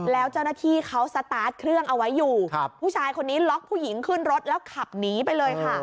แล้วเจ้าหน้าที่เขาสตาร์ทเครื่องเอาไว้อยู่ผู้ชายคนนี้ล็อกผู้หญิงขึ้นรถแล้วขับหนีไปเลยค่ะ